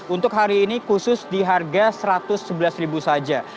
untuk hari ini khusus di harga rp satu ratus sebelas saja